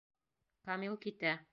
Камил китә.